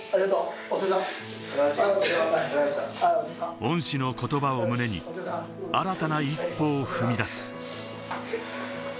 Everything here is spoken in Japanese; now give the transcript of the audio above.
恩師の言葉を胸に新たな一歩を踏み出す。